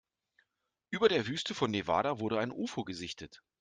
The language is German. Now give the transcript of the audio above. Über der Wüste von Nevada wurde ein Ufo gesichtet.